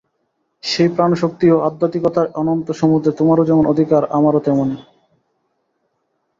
সেই প্রাণ শক্তি ও আধ্যাত্মিকতার অনন্ত সমুদ্রে তোমারও যেমন অধিকার, আমারও তেমনি।